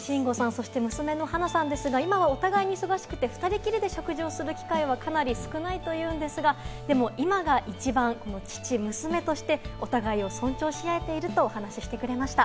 そして娘のはなさんですが、今はお互いに忙しくて二人きりで食事をする機会はかなり少ないと言うんですが、でも今が一番、父・娘としてお互いを尊重し合えていると話してくれました。